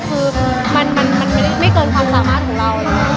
คือมันมีไม่เกินความสามารถของเราอย่างนี้ค่ะ